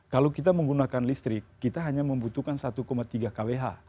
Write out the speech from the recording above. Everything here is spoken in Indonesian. kalau kita menggunakan listrik kita hanya membutuhkan satu tiga kwh